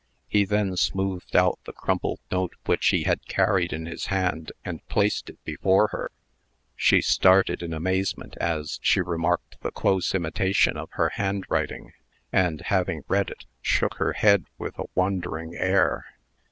He then smoothed out the crumpled note which he had carried in his hand, and placed it before her. She started in amazement, as she remarked the close imitation of her handwriting; and, having read it, shook her head with a wondering air.